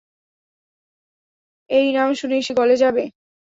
এই নাম শুনেই সে গলে যাবে।